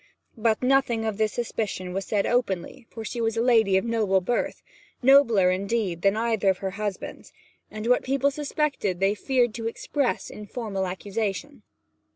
But nothing of this suspicion was said openly, for she was a lady of noble birth nobler, indeed, than either of her husbands and what people suspected they feared to express in formal accusation.